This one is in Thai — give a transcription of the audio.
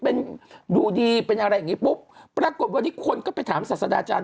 เป็นดูดีเป็นอะไรอย่างงี้ปุ๊บปรากฏวันนี้คนก็ไปถามศาสดาจารย